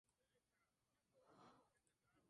Esta vez tendrá más ayuda para enfrentarse al enemigo.